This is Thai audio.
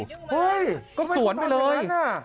เฮ้ยก็สวนไปเลย